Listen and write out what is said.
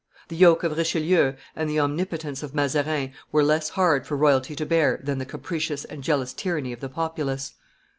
The yoke of Richelieu and the omnipotence of Mazarin were less hard for royalty to bear than the capricious and jealous tyranny of the populace.